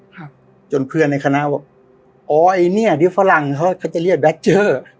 ครับจนเพื่อนในคณะบอกอ๋อไอ้เนี้ยเดี๋ยวฝรั่งเขาก็จะเรียกแบคเจอร์